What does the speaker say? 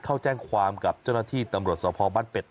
เข้าแจ้งความกับเจ้าหน้าที่ตำรวจสภบ้านเป็ด